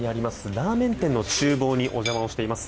ラーメン店の厨房にお邪魔しています。